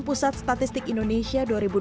nah dahulu aku ahh